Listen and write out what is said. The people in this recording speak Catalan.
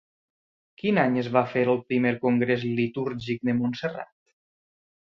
Quin any es va fer el Primer Congrés Litúrgic de Montserrat?